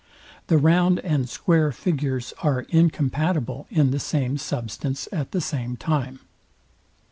The round and square figures are incompatible in the same substance at the same time.